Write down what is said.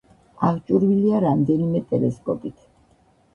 აღჭურვილია რამდენიმე ტელესკოპით.